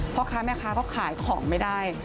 พ่อค้าแม่ค้าก็ขายของไม่ได้